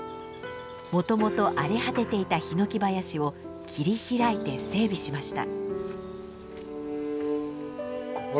もともと荒れ果てていたヒノキ林を切り開いて整備しました。